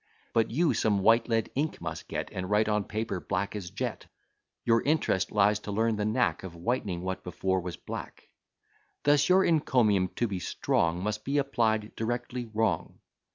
But you some white lead ink must get And write on paper black as jet; Your interest lies to learn the knack Of whitening what before was black. Thus your encomium, to be strong, Must be applied directly wrong.